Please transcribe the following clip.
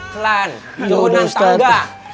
pelan turunan tangga